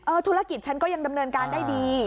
ธุรกิจฉันก็ยังดำเนินการได้ดี